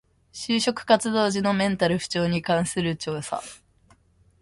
就職活動時のメンタル不調に関する調査